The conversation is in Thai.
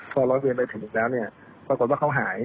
พอรถเวียนไปถึงแล้วปรากฏว่าเค้าหาย